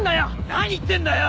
何言ってんだよ！